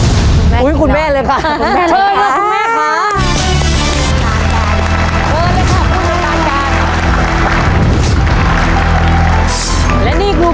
ครอบครัวของแม่ปุ้ยจังหวัดสะแก้วนะครับ